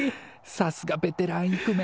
さすがベテランイクメン。